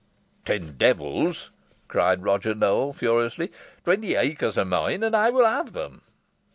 "Ten devils!" cried Roger Nowell, furiously. "Twenty acres are mine, and I will have them."